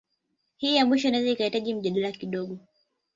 Hii ya mwisho inaweza ikahitaji mjadala kidogo